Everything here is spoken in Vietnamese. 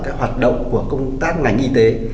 cái hoạt động của công tác ngành y tế